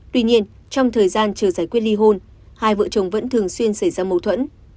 tuy nhiên trong thời gian chờ giải quyết ly hôn hai vợ chồng vẫn thường xuyên xảy ra mâu thuẫn